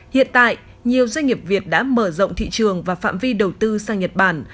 hiện tại nhiều doanh nghiệp việt đã mở rộng thị trường và phạm vi đầu tư sang nhật bản